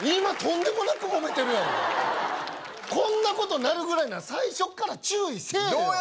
今とんでもなくモメてるやろこんなことなるぐらいなら最初っから注意せえよ！